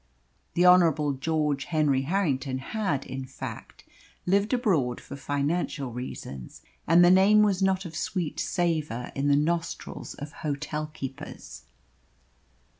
The Honourable George Henry Harrington had, in fact, lived abroad for financial reasons, and the name was not of sweet savour in the nostrils of hotel keepers.